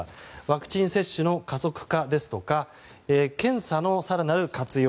ワクチン接種の加速化ですとか検査の更なる活用。